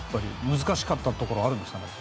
難しかったところはあるんですかね。